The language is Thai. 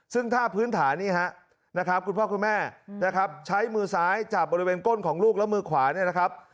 ซึ่งถ้าพื้นฐานนี่ฮะนะครับคุณพ่อคุณแม่นะครับใช้มือซ้ายจับบริเวณก้นของลูกแล้วมือขวาเนี่ยนะครับ